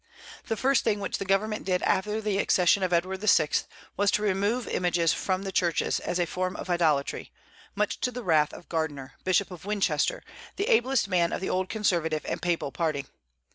The first thing which the Government did after the accession of Edward VI. was to remove images from the churches, as a form of idolatry, much to the wrath of Gardiner, Bishop of Winchester, the ablest man of the old conservative and papal party.